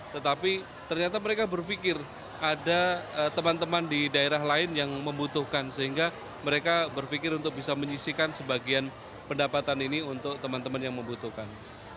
tetapi ternyata mereka berpikir ada teman teman di daerah lain yang membutuhkan sehingga mereka berpikir untuk bisa menyisikan sebagian pendapatan ini untuk teman teman yang membutuhkan